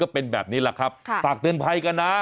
เป็นแบบนี้แหละครับฝากเตือนภัยกันนะ